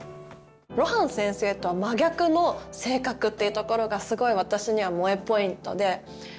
露伴先生とは真逆の性格っていうところがすごい私には萌えポイントで。